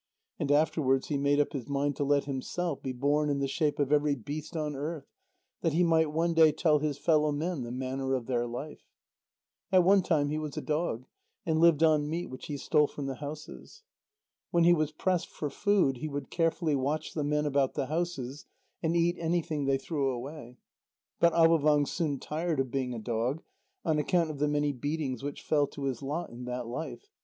And afterwards he made up his mind to let himself be born in the shape of every beast on earth, that he might one day tell his fellow men the manner of their life. At one time he was a dog, and lived on meat which he stole from the houses. When he was pressed for food, he would carefully watch the men about the houses, and eat anything they threw away. But Avôvang soon tired of being a dog, on account of the many beatings which fell to his lot in that life.